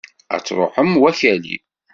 Ad truḥem wakali!